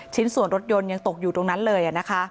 ชิ้นส่วนรถยนต์ยังตกอยู่ตรงนั้นเลยนะคะ